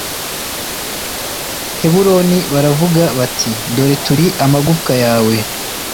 Heburoni baravuga bati Dore turi amagufwa yawe